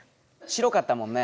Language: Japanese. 白かったもんね。